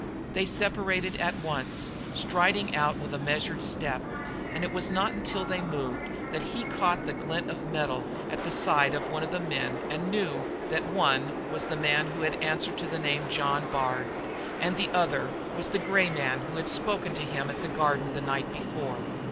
They separated at once, striding out with a measured step, and it was not until they moved that he caught the glint of metal at the side of one of them and knew that one was the man who had answered to the name of John Bard and the other was the grey man who had spoken to him at the Garden the night before.